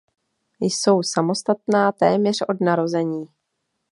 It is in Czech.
Jsou samostatná téměř od narození.